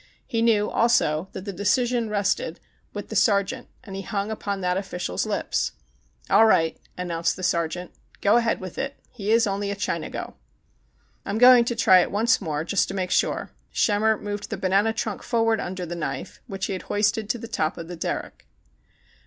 He knew, also, that the decision rested with the THE CHIN/ GO 183 sergeant, and he hung jpon that official's lips. "All right," announced the sergeant. "Go ahead with it. He is only a Chinago." "I'm going to try it once more, just to make sure." Schemmer moved the banana trunk forward under the knife, which he had hoisted to the top of the derrick.